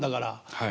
はい。